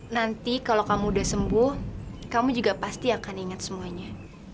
nanti kalau kamu sudah sembuh kamu juga pasti akan ingat semuanya